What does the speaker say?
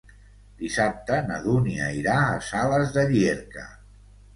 Dissabte na Dúnia irà a Sales de Llierca.